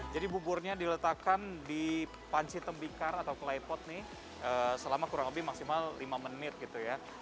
jadi buburnya diletakkan di pansi tembikar atau claypot nih selama kurang lebih maksimal lima menit gitu ya